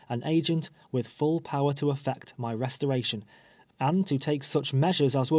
an agent, v\'ith full power to effect" my restoration, and to take such measures as would * See Appendix A.